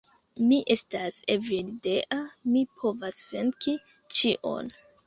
Mi estas Evildea, mi povas venki ĉion.